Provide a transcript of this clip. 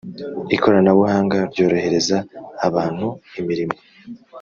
ikoranabuhanga ryorohereza abantu imirimo (